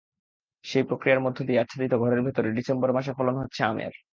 সেই প্রক্রিয়ার মধ্য দিয়ে আচ্ছাদিত ঘরের ভেতরে ডিসেম্বর মাসে ফলন হচ্ছে আমের।